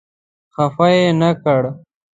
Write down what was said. خپه یې نه کړ.